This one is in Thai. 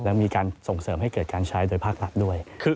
และมีการส่งเสริมให้เกิดการใช้โดยภาครัฐด้วย